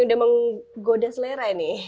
sudah menggoda selera ini